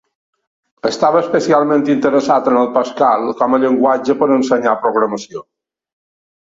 Estava especialment interessat en el Pascal com a llenguatge per ensenyar programació.